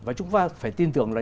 và chúng ta phải tin tưởng là